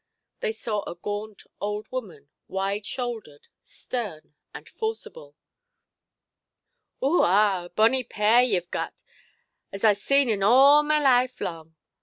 They saw a gaunt old woman, wide–shouldered, stern, and forcible. "Oo, ah! a bonnie pair yeʼve gat, as I see in all my life lang.